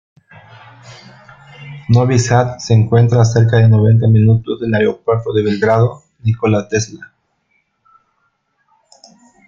Novi Sad se encuentra a cerca de noventa minutos del Aeropuerto de Belgrado-Nikola Tesla.